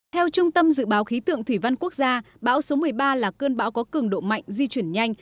theo trung tâm dự báo khí tượng thủy văn quốc gia bão số một mươi ba là cơn bão có cường độ mạnh di chuyển nhanh